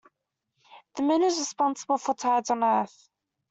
The moon is responsible for tides on earth.